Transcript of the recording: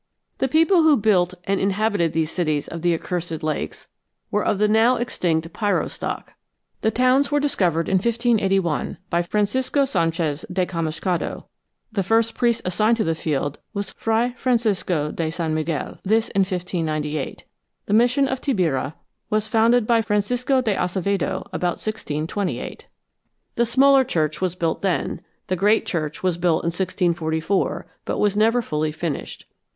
The people who built and inhabited these cities of the Accursed Lakes were of the now extinct Piro stock. The towns were discovered in 1581 by Francisco Banchez de Chamuscado. The first priest assigned to the field was Fray Francisco de San Miguel, this in 1598. The mission of Tabirá was founded by Francisco de Acevedo about 1628. The smaller church was built then; the great church was built in 1644, but was never fully finished.